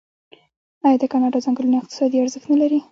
آیا د کاناډا ځنګلونه اقتصادي ارزښت نلري؟